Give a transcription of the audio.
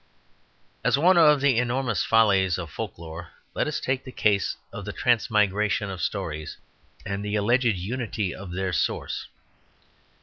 As one of the enormous follies of folk lore, let us take the case of the transmigration of stories, and the alleged unity of their source.